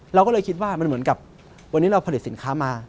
เราก็เลยคิดว่ามันเหมือนกับวันนี้เราผลิตสินค้ามา